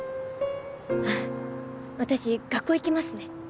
私学校行きますね